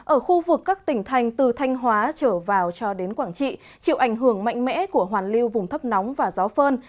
ở khu vực các tỉnh thành từ thanh hóa trở vào cho đến quảng trị chịu ảnh hưởng mạnh mẽ của hoàn lưu vùng thấp nóng và gió phơn